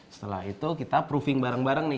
setelah itu kita proving bareng bareng nih